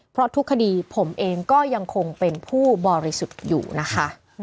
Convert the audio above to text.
เพราะทุกคดีผมเองก็ยังคงเป็นผู้บริสุทธิ์อยู่นะคะ